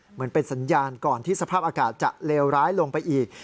เหมือนเป็นสัญญาณก่อนที่สภาพอากาศจะเลวร้ายลงไปอีก